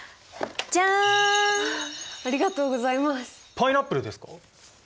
パイナップルですか？